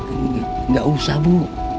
enggak usah bu